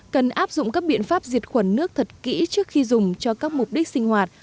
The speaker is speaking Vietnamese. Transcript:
cần áp dụng các biện pháp diệt khuẩn nước thật kỹ trước khi dùng cho các mục đích sinh hoạt